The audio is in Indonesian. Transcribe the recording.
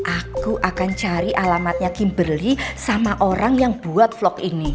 aku akan cari alamatnya kimberly sama orang yang buat vlog ini